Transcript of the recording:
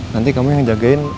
nanti kamu yang jagain